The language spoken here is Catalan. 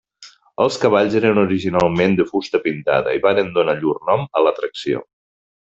Els cavalls eren originalment de fusta pintada i varen donar llur nom a l'atracció.